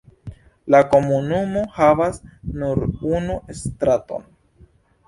La komunumo havas nur unu straton.